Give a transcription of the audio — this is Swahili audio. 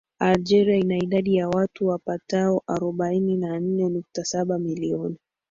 Algeria ina idadi ya watu wapatao arobaini na nne nukta saba milioni